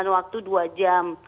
waktu dua jam